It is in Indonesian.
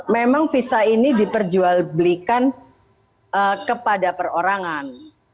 memang visa ini diperjualbelikan kepada perorangan